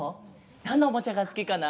なんのおもちゃがすきかな？